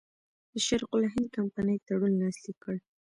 د شرق الهند کمپنۍ تړون لاسلیک کړ.